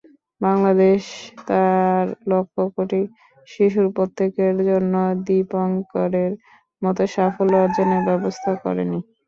বাংলাদেশ তার লক্ষ-কোটি শিশুর প্রত্যেকের জন্য দীপঙ্করের মতো সাফল্য অর্জনের ব্যবস্থা করেনি।